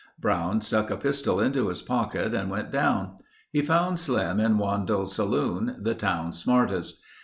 Brown stuck a pistol into his pocket and went down. He found Slim in Wandell's saloon, the town's smartest.